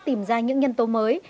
tìm ra những nhân tố mới